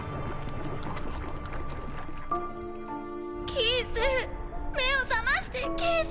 キース目を覚ましてキース！